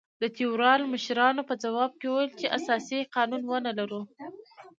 د تیورال مشرانو په ځواب کې ویل چې اساسي قانون ونه لرو.